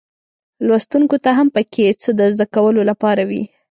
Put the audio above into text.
لوستونکو ته هم پکې څه د زده کولو لپاره وي.